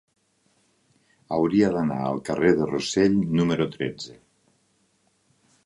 Hauria d'anar al carrer de Rossell número tretze.